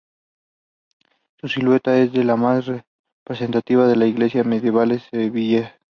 Su silueta es de las más representativas de las iglesias medievales sevillanas.